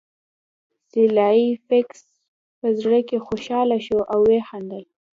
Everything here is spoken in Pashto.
سلای فاکس په زړه کې خوشحاله شو او وخندل